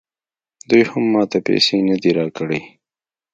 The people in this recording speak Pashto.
دوی هم ماته پیسې نه دي راکړي